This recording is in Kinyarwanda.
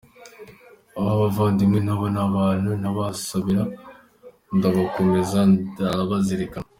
Abo bavandimwe nabo ni abantu ndabasabira, ndabakomeza, ndabazirikana ».